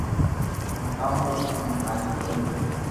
ھمي ڪاو ڪرو تو مني لاگي ڪوئي ڪريي